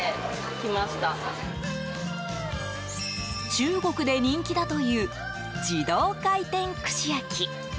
中国で人気だという自動回転串焼き。